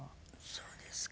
そうですか。